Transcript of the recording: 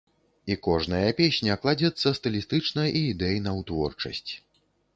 І кожная песня кладзецца стылістычна і ідэйна ў творчасць.